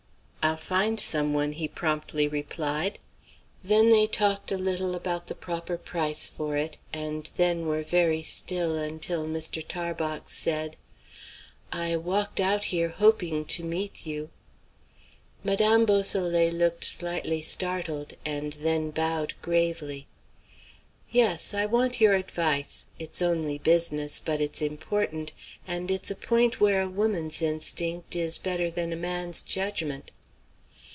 "I'll find some one," he promptly replied. Then they talked a little about the proper price for it, and then were very still until Mr. Tarbox said: "I walked out here hoping to meet you." Madame Beausoleil looked slightly startled, and then bowed gravely. "Yes; I want your advice. It's only business, but it's important, and it's a point where a woman's instinct is better than a man's judgment."